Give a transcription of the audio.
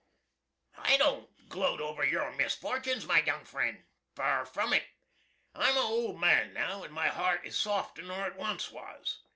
"I don't gloat over your misfortuns, my young fren'. Fur from it. I'm a old man now, & my hart is softer nor it once was.